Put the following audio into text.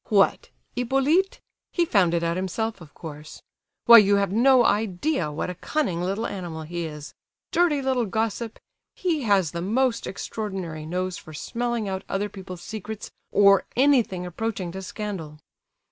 "What, Hippolyte? He found it out himself, of course. Why, you have no idea what a cunning little animal he is; dirty little gossip! He has the most extraordinary nose for smelling out other people's secrets, or anything approaching to scandal.